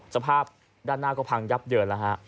สภาพด้านหน้าก็พังยับเยินแล้วฮะ